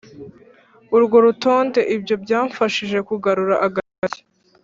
urwo rutonde Ibyo byamfashije kugarura agatege